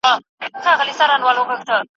اوس ماشومان له تاریخونو سره لوبي کوي